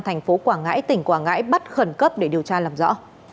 thành phố quảng ngãi tỉnh quảng ngãi bắt khẩn cấp để điều tra làm rõ